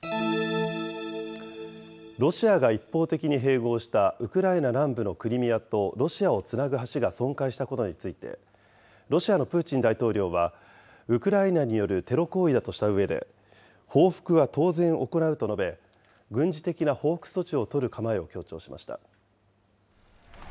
ロシアが一方的に併合したウクライナ南部のクリミアとロシアをつなぐ橋が損壊したことについて、ロシアのプーチン大統領は、ウクライナによるテロ行為だとしたうえで、報復は当然行うと述べ、軍事的な報復措置を取る構えを強調しました。